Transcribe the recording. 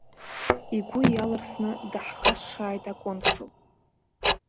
Игәы иалырсны даҳхашшааит аконсул.